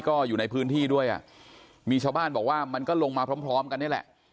ก็อยู่ในพื้นที่ด้วยอ่ะมีชาวบ้านบอกว่ามันก็ลงมาพร้อมพร้อมกันนี่แหละ